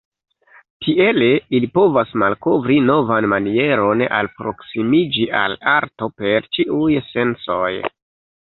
Tiele ili povas malkovri novan manieron alproksimiĝi al arto per ĉiuj sensoj.